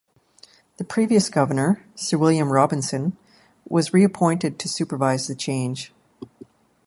A previous Governor, Sir William Robinson, was re-appointed to supervise the change.